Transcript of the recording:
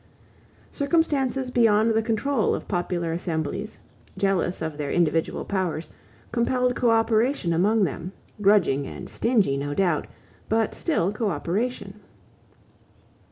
Circumstances beyond the control of popular assemblies, jealous of their individual powers, compelled coöperation among them, grudging and stingy no doubt, but still coöperation.